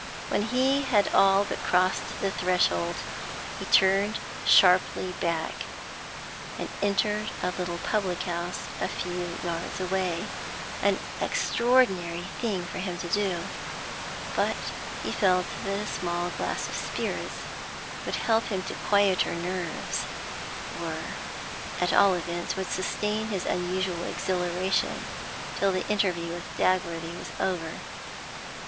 When he had all but crossed the threshold, he turned sharply back, and entered a little public house a few yards away; an extraordinary thing for him to do, but he felt that a small glass of spirits would help him to quieter nerves, or at all events would sustain his unusual exhilaration till the interview with Dagworthy was over.